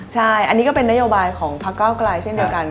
ใช่อันนี้ก็เป็นนโยบายของพักเก้าไกลเช่นเดียวกัน